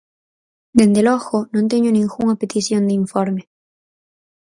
Dende logo, non teño ningunha petición de informe.